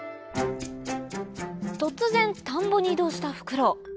突然田んぼに移動したフクロウ